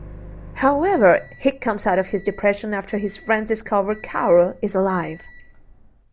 However, he comes out of his depression after his friends discover Kaoru is alive.